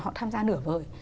họ tham gia nửa vời